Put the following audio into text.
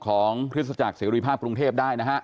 ของพฤศจักรศรีภาพกรุงเทพได้นะฮะ